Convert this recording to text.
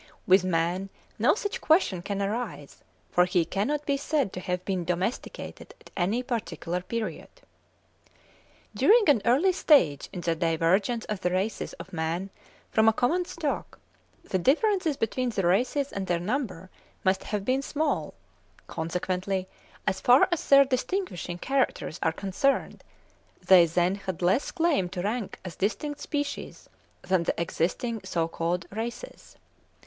With man no such question can arise, for he cannot be said to have been domesticated at any particular period. During an early stage in the divergence of the races of man from a common stock, the differences between the races and their number must have been small; consequently as far as their distinguishing characters are concerned, they then had less claim to rank as distinct species than the existing so called races.